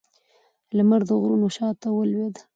لمر د غرونو شا ته ولوېد